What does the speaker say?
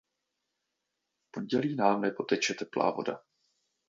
V pondělí nám nepoteče teplá voda.